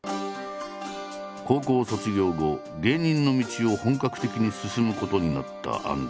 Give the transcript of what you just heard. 高校卒業後芸人の道を本格的に進むことになった安藤。